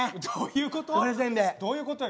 どういうことよ？